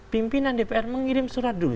pimpinan dpr mengirim surat dulu